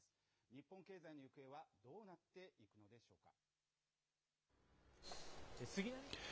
日本経済の行方はどうなっていくのでしょうか。